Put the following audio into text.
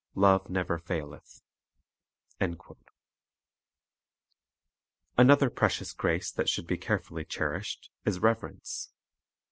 Love never faileth." 2 Another precious grace that should be carefully cherished is reverence.